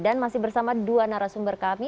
dan masih bersama dua narasumber kami